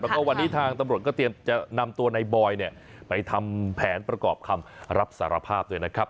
แล้วก็วันนี้ทางตำรวจก็เตรียมจะนำตัวในบอยเนี่ยไปทำแผนประกอบคำรับสารภาพด้วยนะครับ